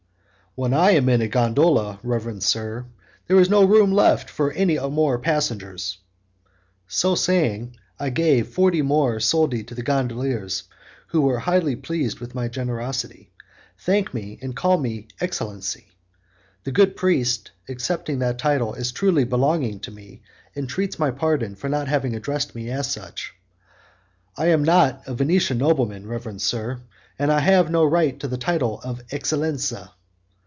"When I am in a gondola, reverend sir, there is no room left for any more passengers." So saying, I give forty more soldi to the gondoliers, who, highly pleased with my generosity, thank me and call me excellency. The good priest, accepting that title as truly belonging to me, entreats my pardon for not having addressed me as such. "I am not a Venetian nobleman, reverend sir, and I have no right to the title of Excellenza."